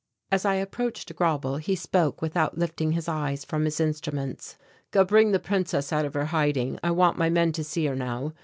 As I approached Grauble he spoke without lifting his eyes from his instruments. "Go bring the Princess out of her hiding; I want my men to see her now.